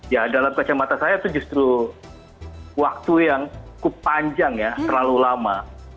ya dalam kacamata saya itu justru waktu yang cukup panjang ya terlalu lama